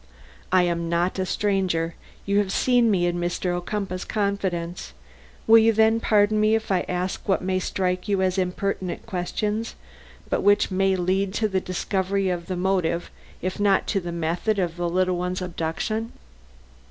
I am not a stranger; you have seen me in Mr. Ocumpaugh's confidence; will you then pardon me if I ask what may strike you as impertinent questions, but which may lead to the discovery of the motive if not to the method of the little one's abduction?"